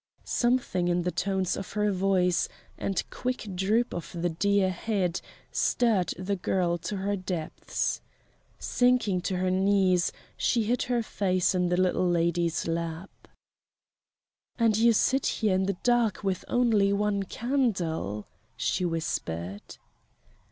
Something in the tones of her voice and quick droop of the dear head stirred the girl to her depths. Sinking to her knees she hid her face in the Little Lady's lap. "And you sit here in the dark with only one candle?" she whispered.